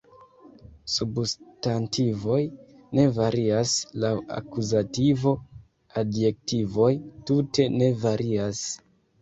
Substantivoj ne varias laŭ akuzativo, adjektivoj tute ne varias.